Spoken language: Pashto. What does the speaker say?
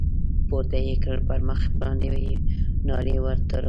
پورته يې كړ پر مخ باندې يې ناړې ورتو کړې.